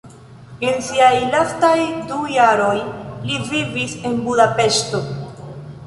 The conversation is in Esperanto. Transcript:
En siaj lastaj du jaroj li vivis en Budapeŝto.